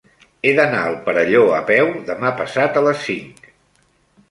He d'anar al Perelló a peu demà passat a les cinc.